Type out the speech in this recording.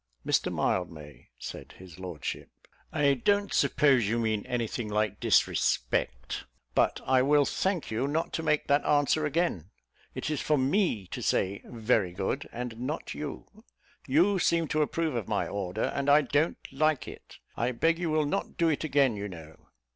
"Mr Mildmay," said his lordship, "I don't suppose you mean anything like disrespect, but I will thank you not to make that answer again: it is for me to say 'very good,' and not you. You seem to approve of my order, and I don't like it; I beg you will not do it again, you know."